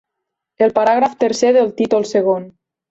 El paràgraf tercer del títol segon.